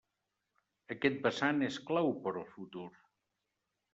Aquest vessant és clau per al futur.